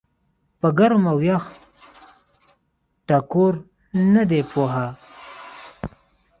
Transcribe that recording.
پۀ ګرم او يخ ټکور نۀ دي پوهه